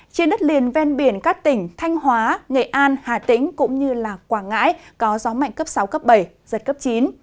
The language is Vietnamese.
trên đất liền ven biển các tỉnh thanh hóa nghệ an hà tĩnh cũng như quảng ngãi có gió mạnh cấp sáu cấp bảy giật cấp chín